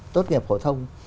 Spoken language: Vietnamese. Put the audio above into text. tốt nghiệp phổ tông